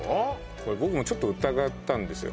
これ僕もちょっと疑ったんですよ